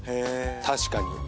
確かに。